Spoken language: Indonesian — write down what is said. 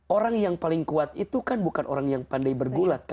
orang yang paling kuat itu kan bukan orang yang pandai bergulat